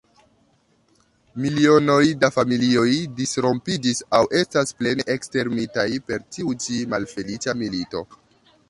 Milionoj da familioj disrompiĝis aŭ estas plene ekstermitaj per tiu ĉi malfeliĉa milito.